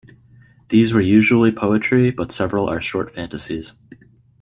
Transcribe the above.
These were usually poetry, but several are short fantasies.